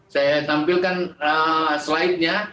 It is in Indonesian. saya tampilkan slide nya